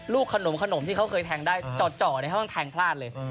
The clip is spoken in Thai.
ลูกขนมที่เขาเคยแทงได้จ่อเขาต้องแทงพลาดเลย